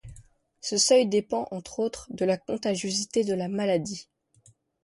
Ce seuil dépend, entre autres, de la contagiosité de la maladie.